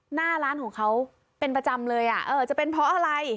หน้าร้านของเขาเป็นประจำเลยอ่ะเออจะเป็นเพราะอะไร